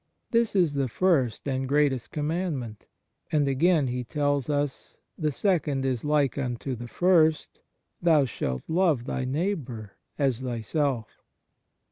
This is the first and greatest command ment, and, again He tells us, " the second is like unto the first : Thou shalt love thy neighbour as thyself."